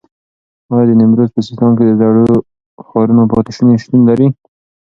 ایا د نیمروز په سیستان کې د زړو ښارونو پاتې شونې شتون لري؟